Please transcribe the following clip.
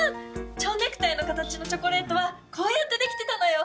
ちょうネクタイのかたちのチョコレートはこうやってできてたのよ！